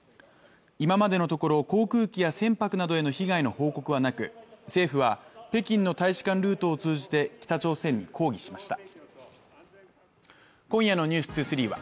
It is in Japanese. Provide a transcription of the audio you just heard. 今までのところ、航空機や船舶などへの被害の報告はなく、政府は北京の大使館ルートを通じて北朝鮮に抗議しました。